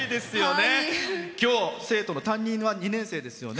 今日、生徒の担任は２年生ですよね。